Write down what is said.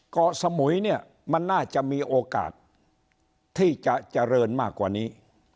เกาะสมุยเนี่ยมันน่าจะมีโอกาสที่จะเจริญมากกว่านี้